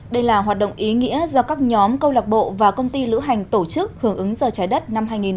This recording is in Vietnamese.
đây là hoạt động ý nghĩa do các nhóm câu lạc bộ và công ty lữ hành tổ chức hưởng ứng giờ trái đất năm hai nghìn hai mươi